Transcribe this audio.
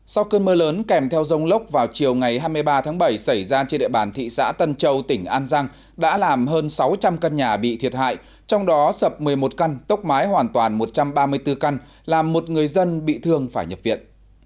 sau cơn mưa lớn kèm theo rông lốc vào chiều ngày hai mươi ba tháng bảy xảy ra trên địa bàn thị xã tân châu tỉnh an giang đã làm hơn sáu trăm linh căn nhà bị thiệt hại trong đó sập một mươi một căn tốc mái hoàn toàn một trăm ba mươi bốn căn làm một người dân bị thương phải nhập viện